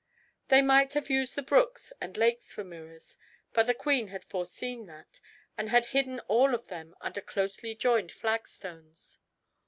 They might have used the brooks and lakes for mirrors; but the queen had foreseen that, and had hidden all of them under closely joined flagstones.